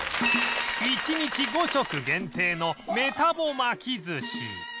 １日５食限定のメタボ巻き寿司